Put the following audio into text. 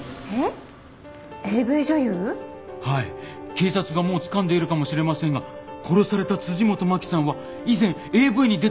警察がもうつかんでいるかもしれませんが殺された辻本マキさんは以前ＡＶに出た事があるんです。